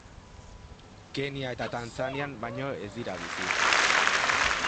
Kenya eta Tanzanian baino ez dira bizi.